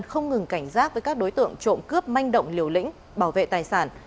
không ngừng cảnh giác với các đối tượng trộm cướp manh động liều lĩnh bảo vệ tài sản